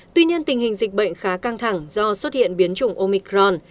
tuy nhiên tình hình dịch bệnh khá căng thẳng do xuất hiện biến chủng omicron